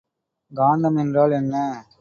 காந்தம் என்றால் என்ன?